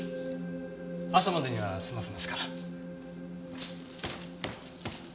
朝までには済ませますから。